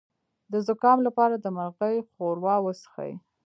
د زکام لپاره د مرغۍ ښوروا وڅښئ